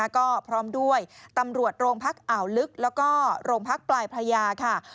ก็พร้อมด้วยตำรวจโรงพักอ่าวลึกแล้วก็โรงพักปลายพระยาค่ะ